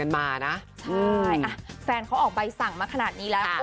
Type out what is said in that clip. มานะใช่อ่ะแฟนเขาออกใบสั่งมาขนาดนี้แล้ว